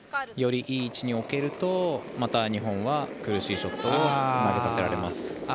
よりいい位置に置けるとまた日本は苦しいショットを投げさせられます。